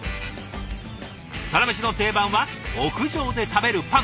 サラメシの定番は屋上で食べるパン。